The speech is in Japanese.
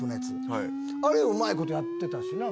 あれうまいことやってたしな。